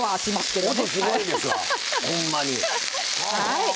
はい。